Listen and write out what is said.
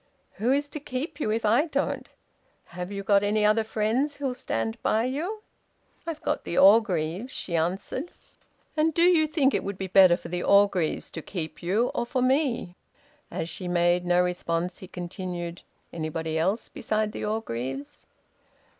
"Who is to keep you if I don't? Have you got any other friends who'll stand by you?" "I've got the Orgreaves," she answered. "And do you think it would be better for the Orgreaves to keep you, or for me?" As she made no response, he continued: "Anybody else besides the Orgreaves?"